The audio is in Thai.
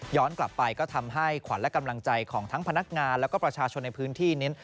กลับไปก็ทำให้ขวัญและกำลังใจของทั้งพนักงานแล้วก็ประชาชนในพื้นที่เน้น